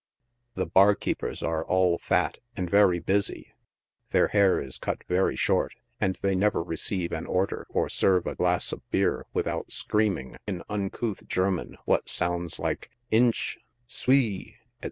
The bar keepers are all fat. and very busy, their hair is cut very short, and they never receive an order or serve a glass of beer without screaming, in uncouth German, what sounds like "In s h," "Sw y," &c.